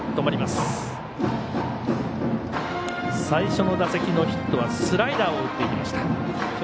最初の打席のヒットはスライダーを打っていきました。